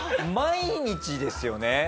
毎日ですよね？